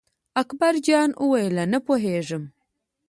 اکبر جان وویل: نه پوهېږم.